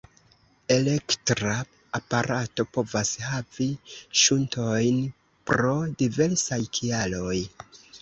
Elektra aparato povas havi ŝuntojn pro diversaj kialoj.